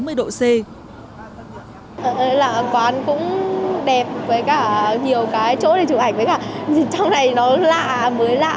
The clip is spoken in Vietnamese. quán cũng đẹp với cả nhiều cái chỗ để chụp ảnh với cả trong này nó lạ mới lạ